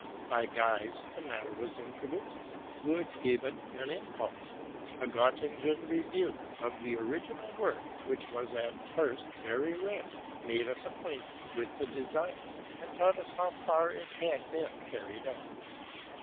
By Guys the matter was introduced : Wood gave it an impulse. A Gottingen review of the origi nal work, which was at first very rare, made us acquainted with the design, and taught us how far it had been carried out.